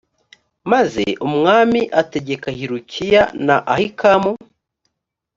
maze umwami ategeka hilukiya na ahikamu